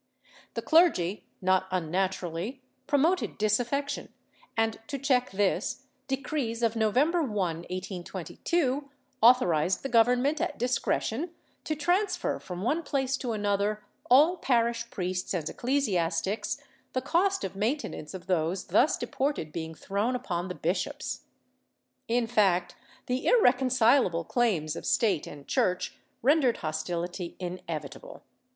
The clergy, not unnaturally, promoted disaffection, and to check this, decrees of November 1, 1822, authorized the Govern ment, at discretion, to transfer from one place to another all parish priests and ecclesiastics, the cost of maintenance of those thus deported being thrown upon the bishops.^ In fact, the irreconcileable claims of State and Church rendered hostility inevitable.